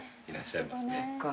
そっか。